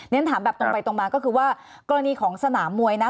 ฉันถามแบบตรงไปตรงมาก็คือว่ากรณีของสนามมวยนะ